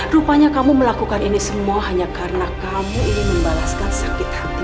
rupanya kamu melakukan ini semua hanya karena kamu ingin membalaskan sakit hati